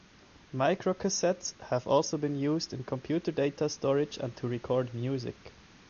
Microcassettes have also been used in computer data storage and to record music.